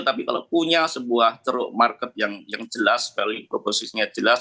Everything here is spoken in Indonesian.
tapi kalau punya sebuah ceruk market yang jelas value proposisinya jelas